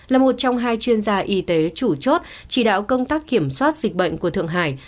là một trong hai chuyên gia y tế chủ chốt chỉ đạo công tác kiểm soát dịch bệnh của thượng hải